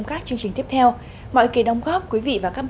cái thương hiệu đặc biệt tức là nó có được cấp phép để mà quảng bá